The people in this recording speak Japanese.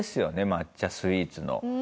抹茶スイーツの。